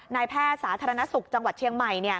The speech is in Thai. นายแพทย์สาธารณสุขจังหวัดเชียงใหม่